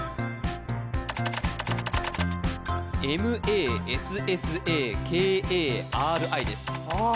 ＭＡＳＳＡＫＡＲＩですああ